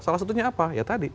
salah satunya apa ya tadi